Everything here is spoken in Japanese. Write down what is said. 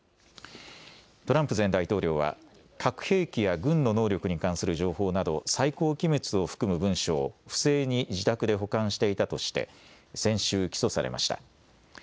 トランプ前大統領は核兵器や軍の能力に関する情報など、最高機密を含む文書を、不正に自宅で保管していたとして、先週、起訴されました。